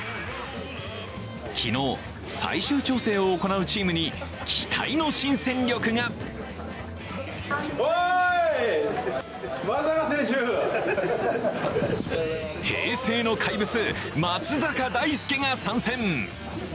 昨日、最終調整を行うチームに期待の新戦力が平成の怪物・松坂大輔が参戦。